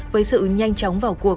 với sự nhanh chóng vào cuộc